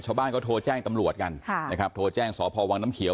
ชาวบ้านก็โทรแจ้งตำรวจกันค่ะนะครับโทรแจ้งสพวังน้ำเขียว